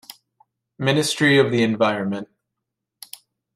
Ministry of the Environment.